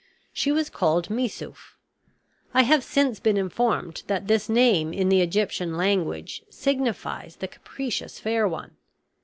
She was called Missouf. I have since been informed that this name in the Egyptian language signifies the capricious fair one.